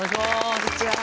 こんにちは。